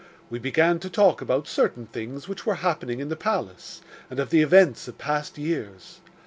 We began to talk about certain things which were happening in the palace, and of the events of past years.